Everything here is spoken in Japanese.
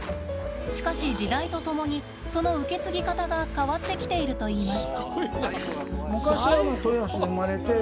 しかし、時代とともにその受け継ぎ方が変わってきているといいます。